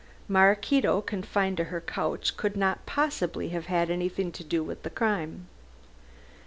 Maraquito confined to her couch could not possibly have anything to do with the crime.